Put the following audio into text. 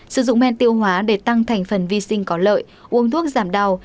sử dụng men tiêu hóa để tăng thành phần vi sinh có lợi uống thuốc giảm đau